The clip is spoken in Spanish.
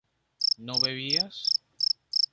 ¿no bebías?